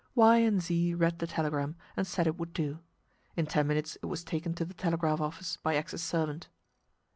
Y and Z read the telegram, and said it would do. In ten minutes it was taken to the telegraph office by X's servant.